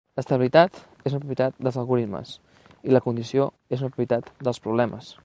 L'estabilitat és una propietat dels algorismes, i la condició és una propietat dels problemes.